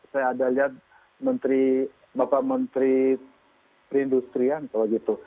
saya ada lihat bapak menteri perindustrian kalau gitu